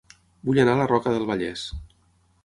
Vull anar a La Roca del Vallès